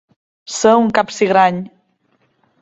Ser un capsigrany.